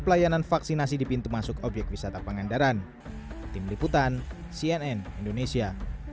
pelayanan vaksinasi di pintu masuk obyek wisata pangandaran tim liputan cnn indonesia